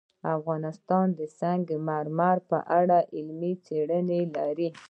افغانستان د سنگ مرمر په اړه علمي څېړنې لري.